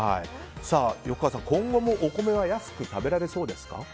横川さん、今後もお米は安く食べられそうですか。